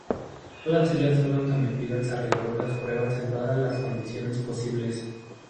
Todas ellas fueron sometidas a rigurosas pruebas en todas las condiciones posibles.